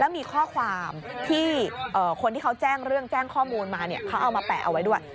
มีข้อความที่คนที่เขาแจ้งเรื่องแจ้งข้อมูลมาเขาเอามาแปะเอาไว้ด้วย